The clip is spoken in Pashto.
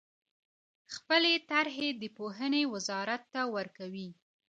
خپلې طرحې د پوهنې وزارت ته ورکوي.